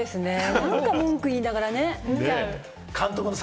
私も何か文句言いながらね。